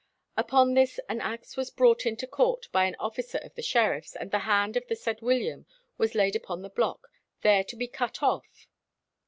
Upon this an axe was brought into court by an officer of the sheriffs, and the hand of the said William was laid upon the block, there to be cut off.